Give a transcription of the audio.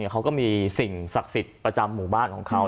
เขาก็มีสิ่งศักดิ์สิทธิ์ประจำหมู่บ้านของเขา